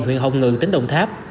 huyện hồng ngự tỉnh đồng tháp